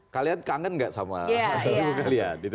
kalian kangen gak sama kalian